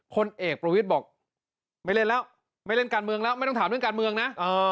คนเอกประวิทบอกไม่เล่นการเมืองแล้วไม่ถามเรื่องการเมืองนะ